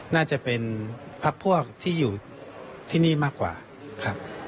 น่าจะเป็นพักพวกที่อยู่ที่นี่มากกว่าครับ